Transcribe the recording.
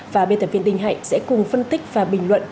và biên tập viên đình hạnh sẽ cùng phân tích và bình luận